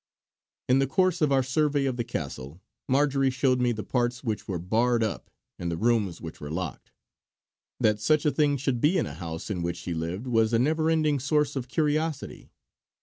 In the course of our survey of the castle, Marjory showed me the parts which were barred up and the rooms which were locked. That such a thing should be in a house in which she lived was a never ending source of curiosity.